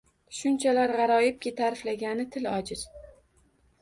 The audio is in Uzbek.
Shunchalar g’aroyibki, ta’riflagani til ojiz…